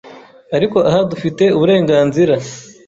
ariko aha dufite uburenganzira